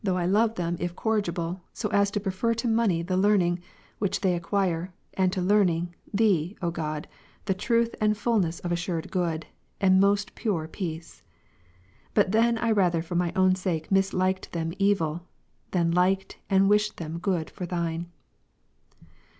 CONF, love them if corrigible, so as to prefer to money the learning, ■ which they acquire, and to learning. Thee, O God, the truth and fulness of assured good, and most pure peace. But then I rather for my own sake misliked them evil, than liked and wished them good for Thine.